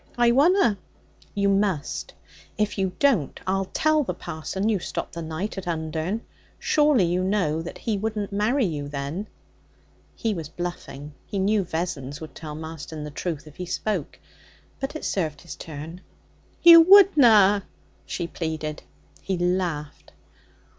'I wunna.' 'You must. If you don't, I'll tell the parson you stopped the night at Undern. Surely you know that he wouldn't marry you then?' He was bluffing. He knew Vessons would tell Marston the truth if he spoke. But it served his turn. 'You wouldna!' she pleaded. He laughed.